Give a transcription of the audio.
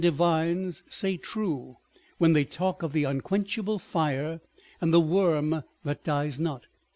499 divines say true, when they talk of the "unquenchable fire, and the worm that dies not."